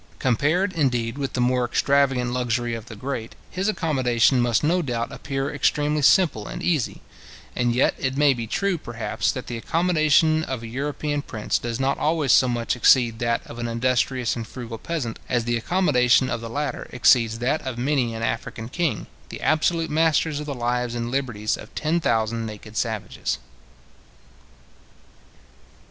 Compared, indeed, with the more extravagant luxury of the great, his accommodation must no doubt appear extremely simple and easy; and yet it may be true, perhaps, that the accommodation of an European prince does not always so much exceed that of an industrious and frugal peasant, as the accommodation of the latter exceeds that of many an African king, the absolute masters of the lives and liberties of ten thousand naked savages.